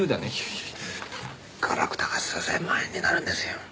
いやいやガラクタが数千万円になるんですよ。